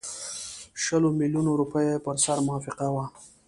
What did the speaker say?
شلو میلیونو روپیو پر سر موافقه وه.